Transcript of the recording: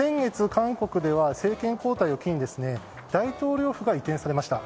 韓国では政権交代を機に大統領府が移転されました。